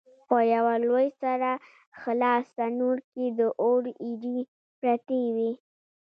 په یوه لوی سره خلاص تنور کې د اور ایرې پرتې وې.